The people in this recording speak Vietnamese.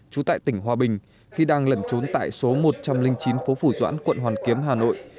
trú tại tỉnh hòa bình khi đang lẩn trốn tại số một trăm linh chín phố phủ doãn quận hoàn kiếm hà nội